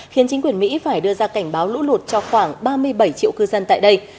khiến chính quyền mỹ phải đưa ra cảnh báo lũ lụt cho khoảng ba mươi bảy triệu cư dân tại đây